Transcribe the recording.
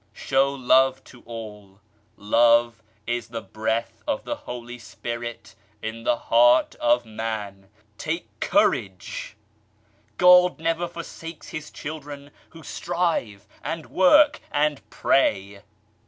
Show Love to all, " Love is the Breath of the Holy Spirit in the heart of Man .'' Take courage I God never forsakes His children who strive and work and pray